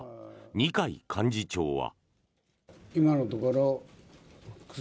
二階幹事長は。